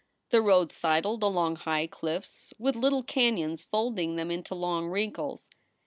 The road sidled along high cliffs with little canons folding them into long wrinkles.